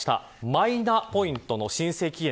マイナポイントの申請期限